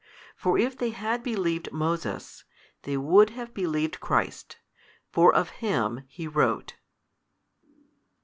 For if they had believed Moses, they would have believed Christ, for of Him he wrote.